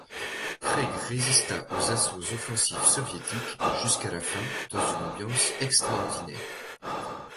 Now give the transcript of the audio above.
Craig résista aux assauts offensifs soviétiques jusqu’à la fin dans une ambiance extraordinaire.